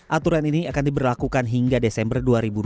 aturan ini akan diberlakukan hingga desember dua ribu dua puluh